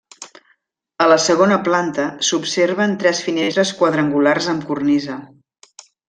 A la segona planta s'observen tres finestres quadrangulars amb cornisa.